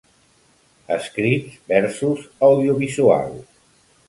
Escrits vs. audiovisuals.